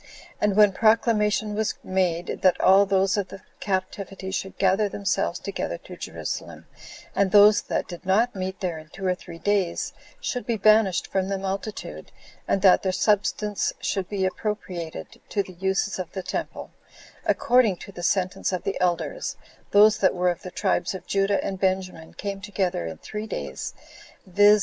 And when proclamation was made, that all those of the captivity should gather themselves together to Jerusalem, and those that did not meet there in two or three days should be banished from the multitude, and that their substance should b appropriated to the uses of the temple, according to the sentence of the elders, those that were of the tribes of Judah and Benjamin came together in three days, viz.